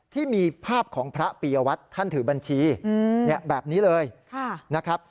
ที่มีภาพของพระปียวัตรท่านถือบัญชีแบบนี้เลยนะครับ